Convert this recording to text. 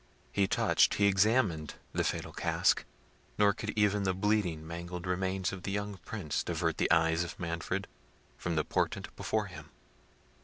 He touched, he examined the fatal casque; nor could even the bleeding mangled remains of the young Prince divert the eyes of Manfred from the portent before him.